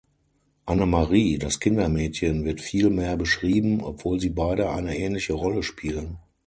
Anne-Marie, das Kindermädchen, wird viel mehr beschrieben, obwohl sie beide eine ähnliche Rolle spielen.